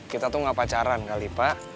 kita tuh gak pacaran kali pak